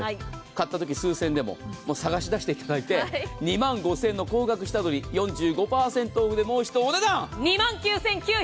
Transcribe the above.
買ったとき数千円でも探し出していただいて、２万５０００円の高額下取り、４５％オフでもう一度お値段！